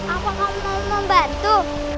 apa kamu mau membantu